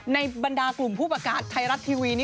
บรรดากลุ่มผู้ประกาศไทยรัฐทีวี